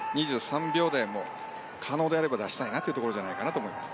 ２３秒台も可能であれば出したいなというところかなと。